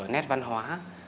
nét văn hóa